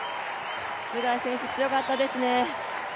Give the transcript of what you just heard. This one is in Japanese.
ツェガイ選手強かったですね。